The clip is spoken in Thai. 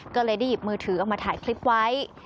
ก็เลยได้หยิบมือถือออกมาถ่ายคลิปไว้